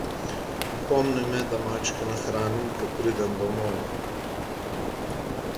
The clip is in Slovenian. Opomni me, da mačke nahranim, ko pridem domov.